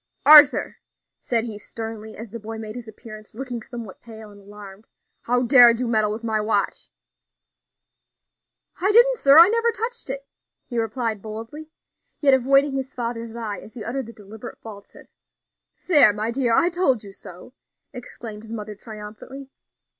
"Arthur," said he sternly, as the boy made his appearance, looking somewhat pale and alarmed, "how dared you meddle with my watch?" "I didn't, sir; I never touched it," he replied boldly, yet avoiding his father's eye as he uttered the deliberate falsehood. "There, my dear, I told you so," exclaimed his mother, triumphantly.